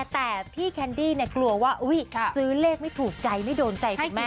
แต่พี่แคนดี้กลัวว่าซื้อเลขไม่ถูกใจไม่โดนใจคุณแม่